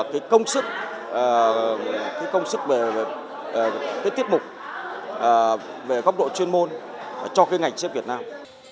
cái công sức cái công sức về cái tiết mục về góc độ chuyên môn cho cái ngành xếp việt nam